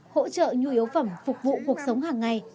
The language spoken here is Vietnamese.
hỗ trợ nhu yếu phẩm phục vụ cuộc sống hàng ngày